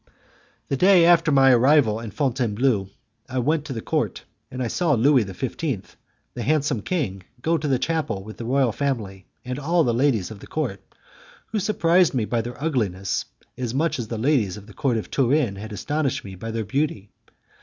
The day after my arrival in Fontainebleau I went alone to the court, and I saw Louis XV., the handsome king, go to the chapel with the royal family and all the ladies of the court, who surprised me by their ugliness as much as the ladies of the court of Turin had astonished me by their beauty.